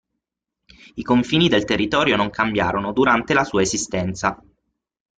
I confini del territorio non cambiarono durante la sua esistenza.